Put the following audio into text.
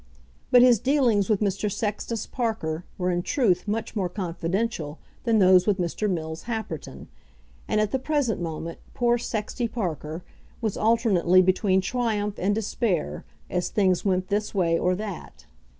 But his dealings with Mr. Sextus Parker were in truth much more confidential than those with Mr. Mills Happerton, and at the present moment poor Sexty Parker was alternately between triumph and despair as things went this way or that.